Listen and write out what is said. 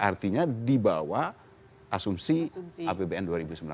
artinya di bawah asumsi apbn dua ribu sembilan belas